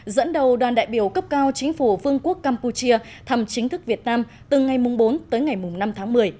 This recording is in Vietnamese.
dẫn đầu đoàn đại biểu cấp cao chính phủ vương quốc campuchia thăm chính thức việt nam từ ngày bốn tới ngày năm tháng một mươi